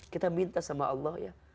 kita minta sama allah ya